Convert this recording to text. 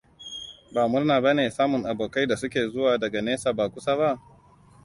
Ba murna bane samun abokai da suke zuwa daga nesa ba kusa ba?